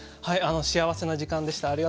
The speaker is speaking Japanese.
はい幸せな時間でした。